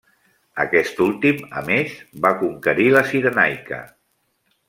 Aquest últim, a més, va conquerir la Cirenaica.